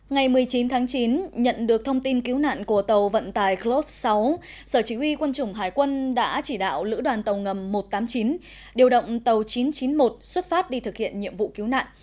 ngày một mươi chín tháng chín nhận được thông tin cứu nạn của tàu vận tài glove sáu sở chỉ huy quân chủng hải quân đã chỉ đạo lữ đoàn tàu ngầm một trăm tám mươi chín điều động tàu chín trăm chín mươi một xuất phát đi thực hiện nhiệm vụ cứu nạn